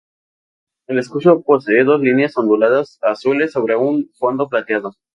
El escudo posee dos líneas onduladas azules sobre un fondo plateado.